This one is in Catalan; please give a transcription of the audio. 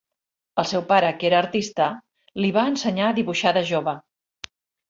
El seu pare, que era artista, li va ensenyar a dibuixar de jove.